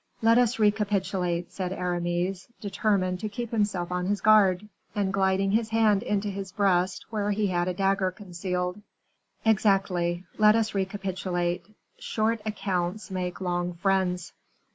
"Let us recapitulate," said Aramis, determined to keep himself on his guard, and gliding his hand into his breast where he had a dagger concealed. "Exactly, let us recapitulate; short accounts make long friends."